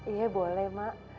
iya boleh mak